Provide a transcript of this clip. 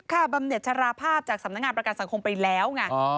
บำเน็ตชราภาพจากสำนักงานประกันสังคมไปแล้วไง